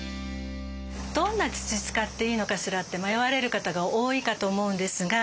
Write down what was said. どんな土使っていいのかしら？って迷われる方が多いかと思うんですが